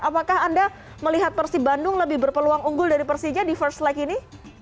apakah anda melihat persib bandung lebih berpeluang unggul dari persija di first like ini